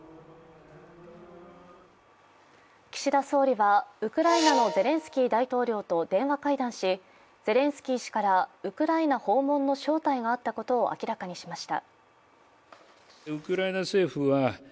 岸田総理はウクライナのゼレンスキー大統領と電話会談しゼレンスキー氏からウクライナ訪問の招待があったことを明らかにしました。